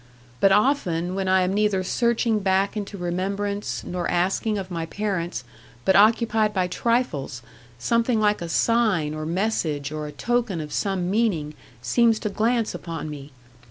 But often, when I am neither searching back into remembrance, nor asking of my parents, but occupied by trifles, something like a sign, or message, or a token of some meaning, seems to glance upon me.